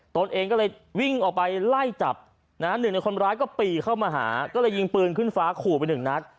ตนเองก็เลยวิ่งออกไปไล่จับนะฮะหนึ่งในคนร้ายก็ปีเข้ามาหาก็เลยยิงปืนขึ้นฟ้าขู่ไปหนึ่งนัด